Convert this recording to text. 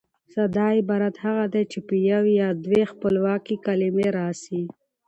ساده عبارت هغه دئ، چي یوه یا دوې خپلواکي کلیمې راسي.